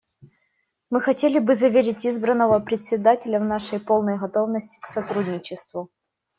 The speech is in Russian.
Мы хотели бы заверить избранного Председателя в нашей полной готовности к сотрудничеству.